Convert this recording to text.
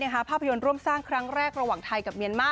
ภาพยนตร์ร่วมสร้างครั้งแรกระหว่างไทยกับเมียนมา